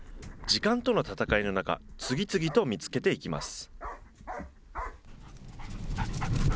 時間との戦いの中、次々と見つけていきます。